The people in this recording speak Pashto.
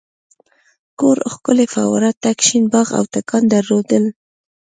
کور ښکلې فواره تک شین باغ او تاکان درلودل.